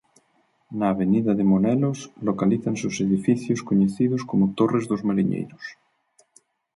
Na avenida de Monelos localízanse os edificios coñecidos como Torres dos Mariñeiros.